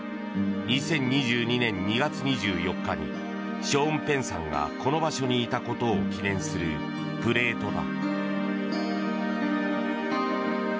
２０２２年２月２４日にショーン・ペンさんがこの場所にいたことを記念するプレートだ。